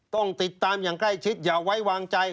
ต้องติดตามอย่างใกล้ชิดอย่าไว้วางใจ